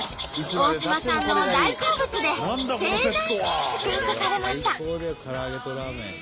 大島さんの大好物で盛大に祝福されました。